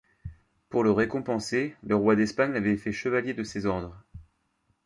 Pour le récompenser, le roi d’Espagne l’avait fait chevalier de ses ordres.